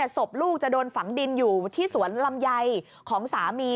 ศพลูกจะโดนฝังดินอยู่ที่สวนลำไยของสามี